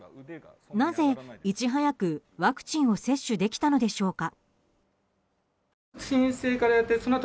なぜ、いち早くワクチンを接種できたのでしょうか。